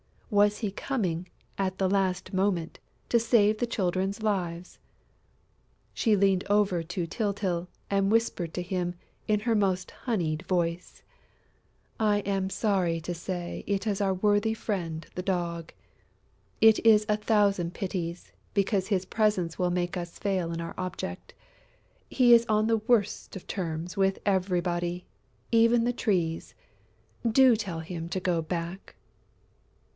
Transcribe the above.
Was he coming, at the last moment, to save the Children's lives? She leaned over to Tyltyl and whispered to him, in her most honeyed voice: "I am sorry to say it is our worthy friend the Dog. It is a thousand pities, because his presence will make us fail in our object. He is on the worst of terms with everybody, even the Trees. Do tell him to go back!"